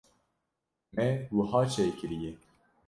me wiha çêkiriye.